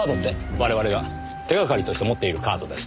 我々が手がかりとして持っているカードです。